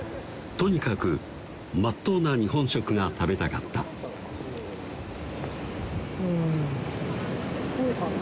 とにかくまっとうな日本食が食べたかったうん向こうかな？